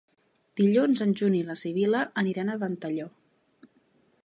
Dilluns en Juli i na Sibil·la aniran a Ventalló.